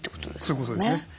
そういうことですね。